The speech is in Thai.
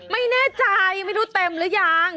ไม่แน่ใจอย่างงั้นไม่รู้เต็มหรือยัง